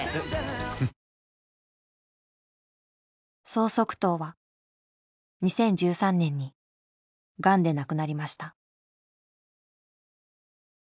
荘則棟は２０１３年にがんで亡くなりました。